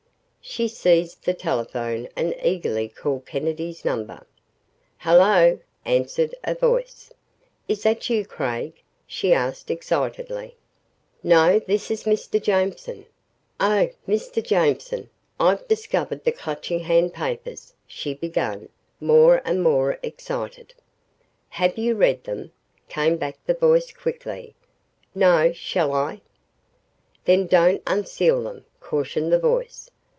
She seized the telephone and eagerly called Kennedy's number. "Hello," answered a voice. "Is that you, Craig?" she asked excitedly. "No, this is Mr. Jameson." "Oh, Mr. Jameson, I've discovered the Clutching Hand papers," she began, more and more excited. "Have you read them?" came back the voice quickly. "No shall I?" "Then don't unseal them," cautioned the voice.